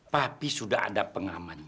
yaudah ke belakang